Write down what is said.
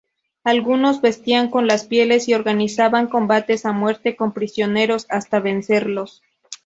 Algunos vestían con las pieles y organizaban combates a muerte con prisioneros hasta vencerlos.